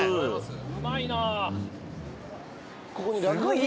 うまいな。